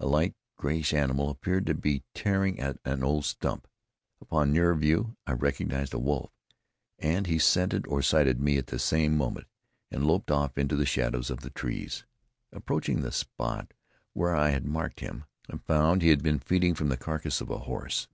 A light, grayish animal appeared to be tearing at an old stump. Upon nearer view, I recognized a wolf, and he scented or sighted me at the same moment, and loped off into the shadows of the trees. Approaching the spot where I had marked him I found he had been feeding from the carcass of a horse.